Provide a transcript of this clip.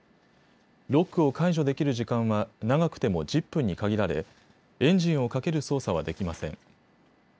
ロックを解除できる時間は長くても１０分に限られエンジンをかける操作はできません。